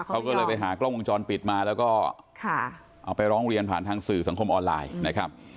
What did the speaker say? เขาก็เลยไปหากล้องวงจรปิดมาแล้วก็เอาไปร้องเรียนผ่านทางสื่อสังคมออนไลน์นะครับ